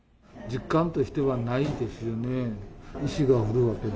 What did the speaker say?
実感としてはないですよね。